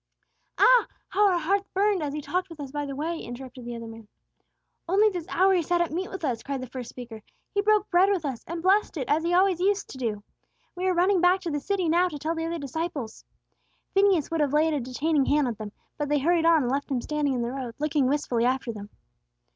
"Ah, how our hearts burned as He talked with us by the way!" interrupted the other man. "Only this hour He sat at meat with us," cried the first speaker. "He broke bread with us, and blessed it as He always used to do. We are running back to the city now to tell the other disciples." Phineas would have laid a detaining hand on them, but they hurried on, and left him standing in the road, looking wistfully after them.